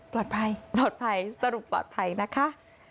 ปลอดภัยปลอดภัยสรุปปลอดภัยนะคะ